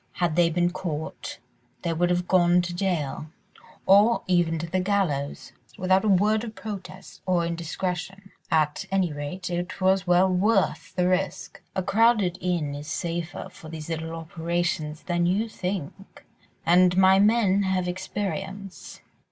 Had they been caught they would have gone to jail, or even to the gallows, without a word of protest or indiscretion; at any rate it was well worth the risk. A crowded inn is safer for these little operations than you think, and my men have experience."